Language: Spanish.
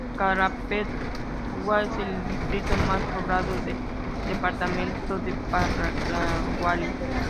Carapeguá es el distrito más poblado del Departamento de Paraguarí.